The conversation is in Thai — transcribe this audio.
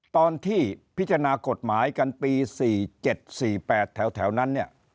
ตอนที่พิจารณากฎหมายกันปี๔๗๔๘แถวนั้นเนี่ย